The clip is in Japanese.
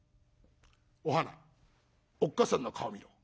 お花おっ母さんの顔見ろ。